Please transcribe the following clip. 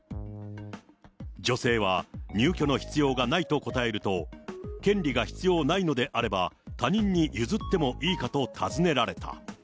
女性は入居の必要がないと答えると、権利が必要ないのであれば、他人に譲ってもいいかと尋ねられた。